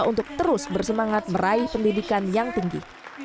untuk terus bersemangat meraih pendidikan yang tinggi